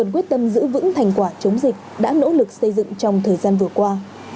quả chống dịch đã nỗ lực xây dựng trong thời gian vừa qua